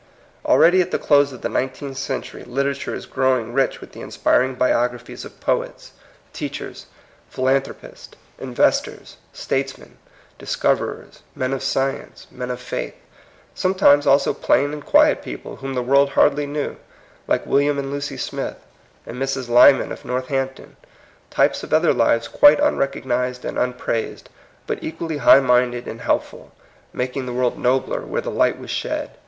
Already at the close of the nineteenth century literature is growing rich with the inspiring biographies of poets, THE LAW OF COST. 105 teachers, philanthropists, inveDtors, states men, discoverers, men of science, men of faith; sometimes also plain and quiet peo ple, whom the world hardly knew, like William and Lucy Smith and Mrs. Lyman of Northampton, types of other lives quite unrecognized and unpraised, but equally high minded and helpful, making the world nobler where their light was shed.